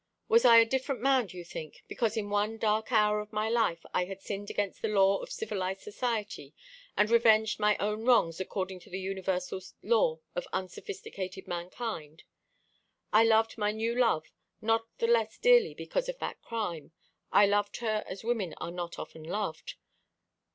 Was I a different man, do you think, because in one dark hour of my life I had sinned against the law of civilised society, and revenged my own wrongs according to the universal law of unsophisticated mankind? I loved my new love not the less dearly because of that crime. I loved her as women are not often loved.